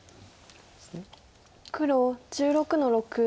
黒１６の六。